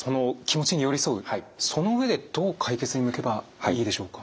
その上でどう解決に向けばいいでしょうか。